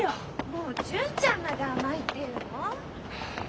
もう純ちゃんまで「甘い」って言うの？